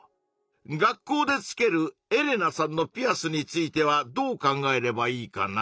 学校でつけるエレナさんのピアスについてはどう考えればいいかな？